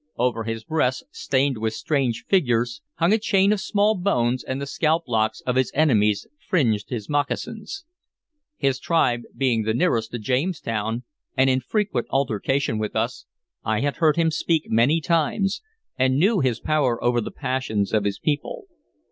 Over his breast, stained with strange figures, hung a chain of small bones, and the scalp locks of his enemies fringed his moccasins. His tribe being the nearest to Jamestown, and in frequent altercation with us, I had heard him speak many times, and knew his power over the passions of his people.